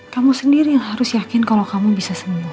kamu sendiri yang harus yakin kalau kamu bisa sembuh